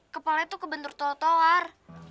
kepalanya tuh kebentur toar tolar